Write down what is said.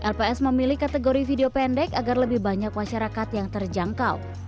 lps memilih kategori video pendek agar lebih banyak masyarakat yang terjangkau